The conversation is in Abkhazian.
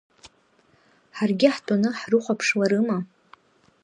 Ҳаргьы ҳтәаны ҳрыхәаԥшларыма?